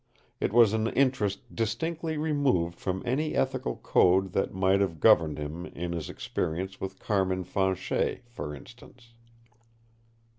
It was an interest distinctly removed from any ethical code that might have governed him in his experience with Carmin Fanchet, for instance.